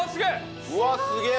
うわっすげえ！